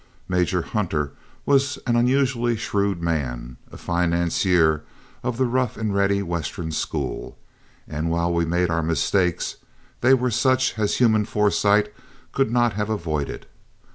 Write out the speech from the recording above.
Major Hunter was an unusually shrewd man, a financier of the rough and ready Western school; and while we made our mistakes, they were such as human foresight could not have avoided.